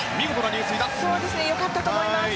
良かったと思います。